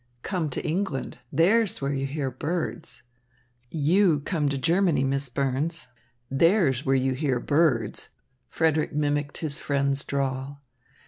"Come to England. There's where you hear birds." "You come to Germany, Miss Burns. There's where you hear birds," Frederick mimicked his friend's drawl.